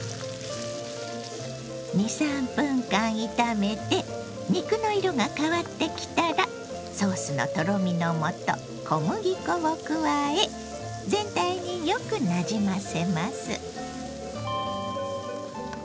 ２３分間炒めて肉の色が変わってきたらソースのとろみのもと小麦粉を加え全体によくなじませます。